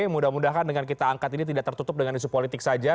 mudah mudahan dengan kita angkat ini tidak tertutup dengan isu politik saja